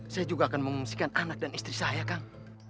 saya juga akan mengungsikan anak dan istri saya kang